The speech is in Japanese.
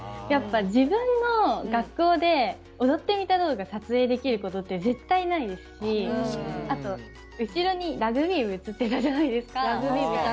自分の学校で踊ってみた動画を撮影できること絶対ないですしあと後ろにラグビー部映ってたじゃないですか。